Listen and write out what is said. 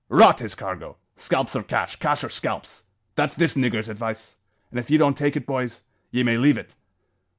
"Rot his cargo! Scalps or cash, cash or scalps! that's this niggur's advice; an' if ye don't take it, boys, ye may leave it!